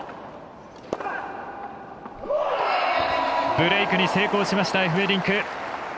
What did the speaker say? ブレークに成功しましたエフベリンク。